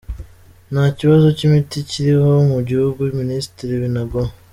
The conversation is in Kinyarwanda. “Nta kibazo cy’imiti kiriho mu gihugu” -Minisitiri Binagwaho